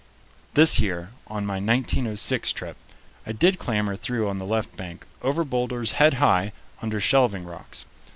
This year, on my 1906 trip, I did clamber through on the left bank, over boulders head high, under shelving rocks.